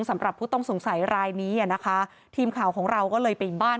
สำหรับผู้ต้องสงสัยรายนี้อ่ะนะคะทีมข่าวของเราก็เลยไปบ้าน